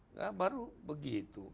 nah baru begitu